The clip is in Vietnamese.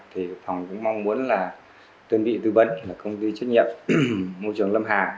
thì phòng cũng mong muốn là tuyên bị tư vấn công ty trách nhiệm môi trường lâm hà